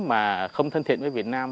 mà không thân thiện với việt nam